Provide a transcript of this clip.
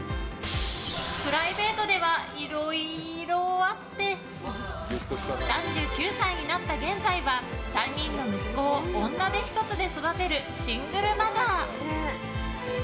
プライベートではいろいろあって３９歳になった現在は３人の息子を女手ひとつで育てるシングルマザー。